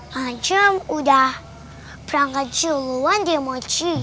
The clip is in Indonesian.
macam udah perangkat jeluan deh mochi